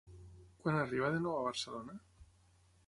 Quan arriba de nou a Barcelona?